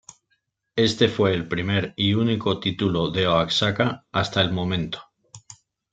Este fue el primer y único título de Oaxaca hasta el momento.